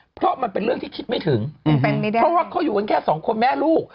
เพราะมันเป็นเรื่องที่คิดไม่ถึงเป็นไม่ได้เพราะว่าเขาอยู่กันแค่สองคนแม่ลูก